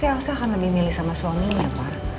elsa akan lebih milih sama suaminya pak